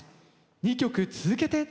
２曲続けて。